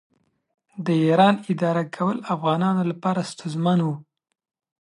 د ایران اداره کول افغانانو لپاره ستونزمن و.